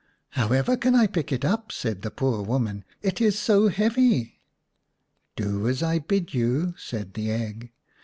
" However can I pick it up ?" said the poor woman. "It is so heavy." "Do as I bid you," said the egg.